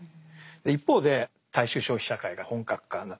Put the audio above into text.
一方で大衆消費社会が本格化になっていきます。